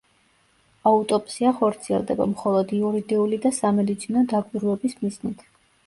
აუტოპსია ხორციელდება მხოლოდ იურიდიული და სამედიცინო დაკვირვების მიზნით.